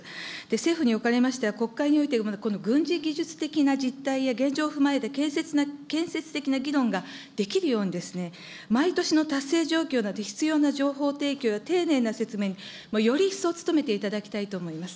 政府におかれましては、国会においてまだこの軍事技術的な実態や現状を踏まえた建設的な議論ができるように、毎年の達成状況など必要な情報提供や丁寧な説明に、より一層努めていただきたいと思います。